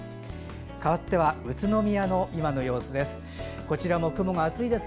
かわっては宇都宮の今の様子です。